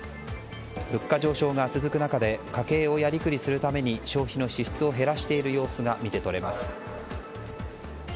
物価上昇が続く中で家計をやりくりするために消費の支出を減らしている様子が見て取れます。